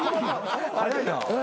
早いな。